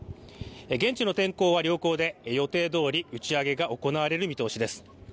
現地の天候は良好で予定どおり打ち上げが行われる見通しです。